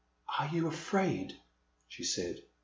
Are you afraid ?*' she said.